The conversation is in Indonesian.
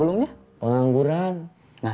selama jadi pengangguran kegiatannya apa